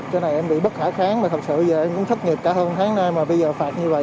cho nên em bị bất khả kháng mà thật sự giờ em cũng thất nghiệp cả hơn tháng nay mà bây giờ phạt như vậy